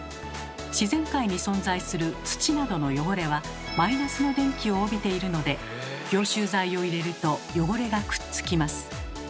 自然界に存在する土などの汚れは−の電気を帯びているので凝集剤を入れると汚れがくっつきます。